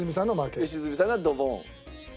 良純さんがドボン。